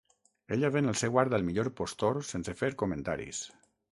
Ella ven el seu art al millor postor sense fer comentaris.